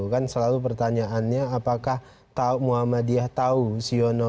kan selalu pertanyaannya apakah muhammadiyah tahu siono